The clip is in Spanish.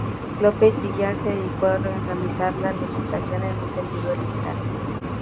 López Villar se dedicó a reorganizar la legislación en un sentido liberal.